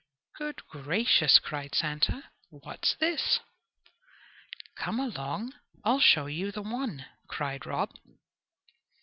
"Good gracious!" cried Santa, "what's this?" "Come along, I'll show you the one," cried Rob.